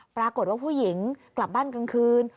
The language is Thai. ปรากฏว่าผู้หญิงกลับบ้านกลางคืน